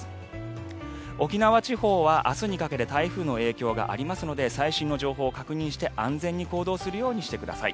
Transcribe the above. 沖縄地方は明日にかけて台風の影響がありますので最新の情報を確認して安全に行動するようにしてください。